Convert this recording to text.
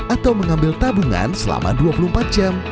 atau mengambil tabungan selama dua puluh empat jam